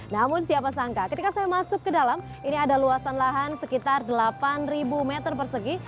namun siapa sangka ketika saya masuk ke dalam ini ada luasan lahan sekitar delapan meter persegi